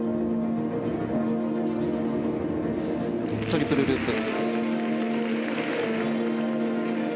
トリプルループ。